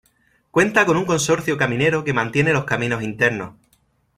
Cuenta con un consorcio caminero que mantiene los caminos internos.